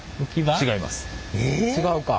違うか。